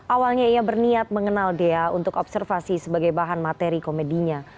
awalnya ia berniat mengenal dea untuk observasi sebagai bahan materi komedinya